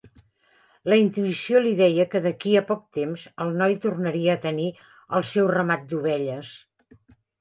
La intuïció li deia que d'aquí a poc temps el noi tornaria a tenir el seu ramat d'ovelles.